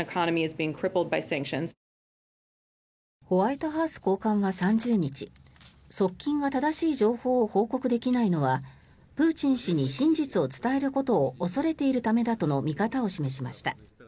ホワイトハウス高官は３０日側近が正しい情報を報告できないのはプーチン氏に真実を伝えることを恐れているためだとの見方を示しました。